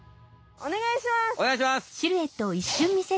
おねがいします！